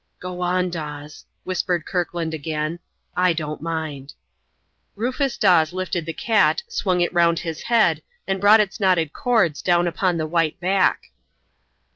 "Go on, Dawes," whispered Kirkland again. "I don't mind." Rufus Dawes lifted the cat, swung it round his head, and brought its knotted cords down upon the white back.